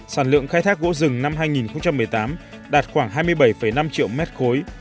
sản lượng khai thác gỗ rừng năm hai nghìn một mươi tám đạt khoảng hai mươi bảy năm triệu mét khối